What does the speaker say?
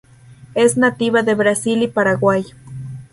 Es nativa de Brasil y Paraguay.